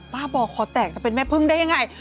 ป้าบอกขอแต่งจะเป็นแม่พึ่งได้อย่างไร